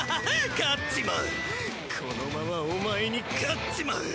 勝っちまうこのままお前に勝っちまう。